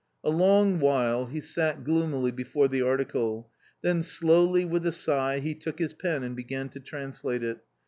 A long while he sat gloomily before the article, then slowly, with a sigh, he took his pen and began to translate it.